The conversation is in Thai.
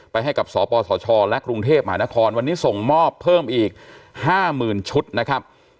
ให้กับสปสชและกรุงเทพมหานครวันนี้ส่งมอบเพิ่มอีก๕๐๐๐ชุดนะครับ